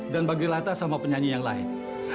dan bagi lata sama penyanyi yang lain